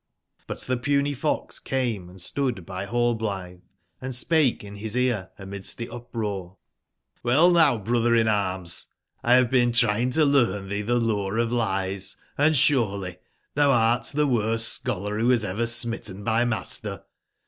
But the puny fox came & stood by Hallblithe, and spake in bis ear amidst the uproar: ''^ell now, brother/in/arms, X have been trying to learn thee the lore of lies, & surely thou art the worst scholar who was ever smitten by master.